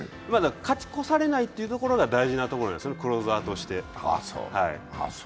勝ち越されないというところが大事なとこなんですね、クローザーとして。